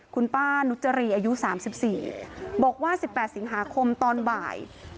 คุณป้าฯณุจจารีอายุสามสิบสี่บอกว่าสิบแปดสิงหาคมตอนบ่าย